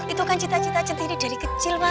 itu kan cita cita centini dari kecil pak